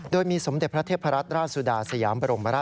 โดยมีสมเด็จพระเทพรัตนราชสุดาสยามบรมราช